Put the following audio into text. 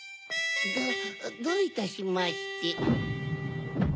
どういたしまして。